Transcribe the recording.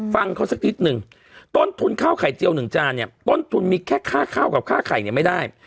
ฟังเขาสักนิดนึงต้นทุนข้าวไข่เจียว๑จานเนี่ยต้นทุนมีแค่ค่าข้าวกับค่าไข่เนี่ยไม่ได้